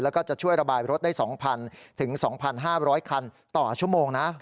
แล้วก็จะช่วยระบายรถได้๒๐๐๒๕๐๐คันต่อชั่วโมงนะ